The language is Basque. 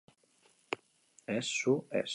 Ez, zu, ez.